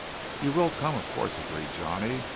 "You will come, of course," agreed Johnny.